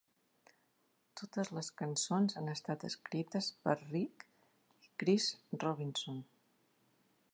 Totes les cançons han estat escrites per Rich i Chris Robinson.